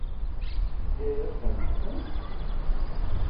Tefka-yasent-tent?